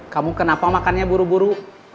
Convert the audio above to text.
kamu kenapa makannya buru buru